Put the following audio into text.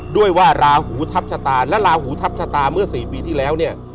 ด้วยว่าราหูทัพชะตาและลาหูทัพชะตาเมื่อ๔ปีที่แล้วเนี่ย